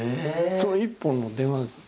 その一本の電話なんです。